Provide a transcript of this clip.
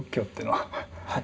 はい。